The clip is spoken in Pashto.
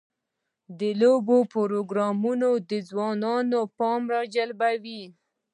د لوبو پروګرامونه د ځوانانو پام راجلبوي.